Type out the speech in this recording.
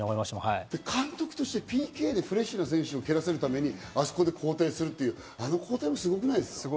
監督として、ＰＫでフレッシュな選手に蹴らせるために、あそこで交代するっていう、交代すごくないですか？